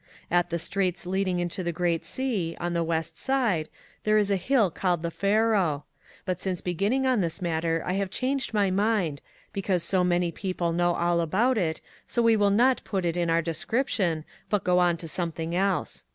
"At the Straits leading into the Great Sea, on the West Side, there is a hill called the Faro. But since beginning on this matter I have changed my mind, because so many people know all about it, so we will not put it in our description but go on to something else."